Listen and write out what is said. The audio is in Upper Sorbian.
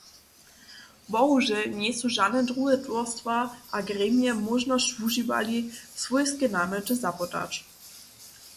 Bohužel njejsu žane druhe towarstwa a gremije móžnosć wužiwali swójske namjety zapodać.